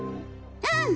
うん！